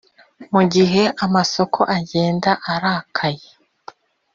mugihe amasoko agenda arakaye.